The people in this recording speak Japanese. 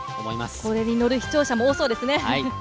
それにのる視聴者も多そうですね。